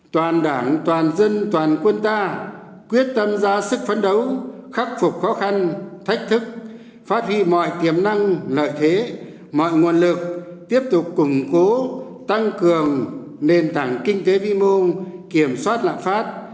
toàn đảng toàn dân toàn quân ta quyết tâm ra sức phấn đấu khắc phục khó khăn thách thức phát huy mọi tiềm năng lợi thế mọi nguồn lực tiếp tục củng cố tăng cường nền tảng kinh tế vi mô kiểm soát lạm phát